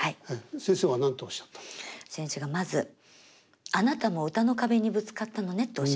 先生がまずあなたも歌の壁にぶつかったのねとおっしゃったんです。